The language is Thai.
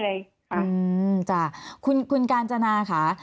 เดี๋ยวจะประกันได้ไหมคุณกาญจนาค่ะ